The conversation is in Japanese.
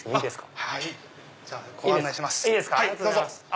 はい。